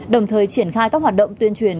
đồng thời triển khai các hoạt động tuyên truyền